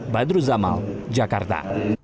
badru zamal jakarta